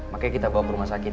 makanya kita bawa ke rumah sakit